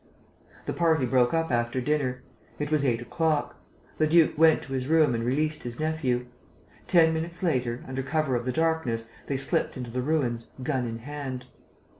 The party broke up after dinner. It was eight o'clock. The duke went to his room and released his nephew. Ten minutes later, under cover of the darkness, they slipped into the ruins, gun in hand.